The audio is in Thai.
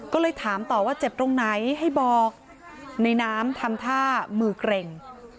ก็เลยถามต่อว่าเจ็บตรงไหนให้บอกในน้ำทำท่ามือเกร็ง